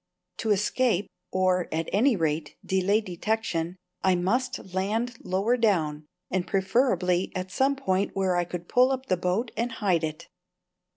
To escape or, at any rate, delay detection, I must land lower down, and preferably at some point where I could pull up the boat and hide it.